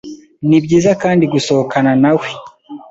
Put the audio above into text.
Ni byiza kandi gusohokana na we